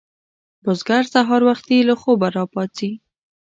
بزګر سهار وختي له خوبه راپاڅي